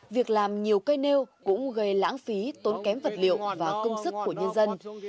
việc làm nhiều cây nêu cũng gây lãng phí tốn kém vật liệu và công sức của nhân dân